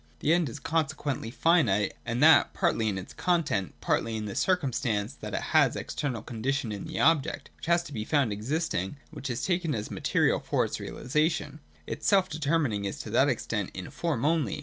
The End is consequently finite, and that partly in its content, partly in the cir cumstance that it has an external condition in the object, which has to be found existing, and which is taken as material for its realisation. Its selfdetermining is to that extent in form only.